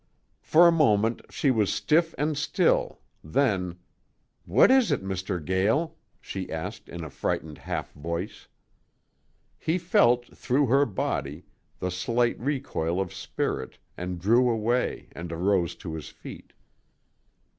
For a moment she was stiff and still, then, "What is it, Mr. Gael?" she asked in a frightened half voice. He felt, through her body, the slight recoil of spirit, and drew away, and arose to his feet.